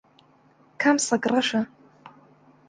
کام سەگ ڕەشە؟